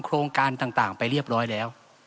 โครงการต่างไปเรียบร้อยแล้ว